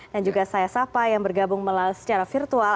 dan juga saya sapa yang bergabung secara virtual